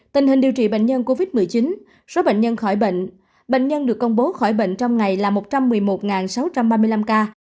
tình hình điều trị bệnh nhân covid một mươi chín số bệnh nhân khỏi bệnh bệnh nhân được công bố khỏi bệnh trong ngày là một trăm một mươi một sáu trăm ba mươi năm ca